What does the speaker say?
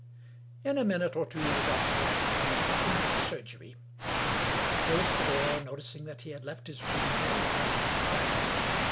In a minute or two the doctor let me into the surgery. I closed the door, noticing that he had left his room very lightly clad.